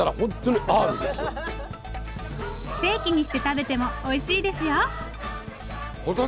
ステーキにして食べてもおいしいですよ。